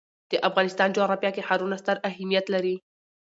د افغانستان جغرافیه کې ښارونه ستر اهمیت لري.